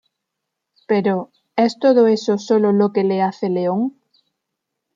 Pero, ¿es todo eso solo lo que le hace león?